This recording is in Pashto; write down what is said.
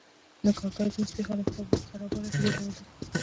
د کارګر د نسبي حالت خرابوالی په دې ډول دی